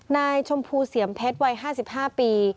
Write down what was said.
นายชมพูเสี่ยมเพชรวัย๕๕ปี